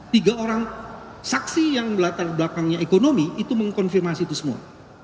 tiga orang saksi yang melatar belakangnya ekonomi itu mengkonfirmasi itu semua